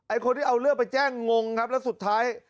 คนที่เอาเรื่องไปแจ้งงงครับแล้วสุดท้าย